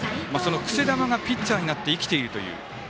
くせ球が、ピッチャーになって生きているという。